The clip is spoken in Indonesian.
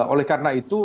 oleh karena itu